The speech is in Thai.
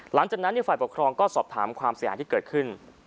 หลังจากนั้นฝ่ายปกครองก็สอบถามความเสียหายที่เกิดขึ้น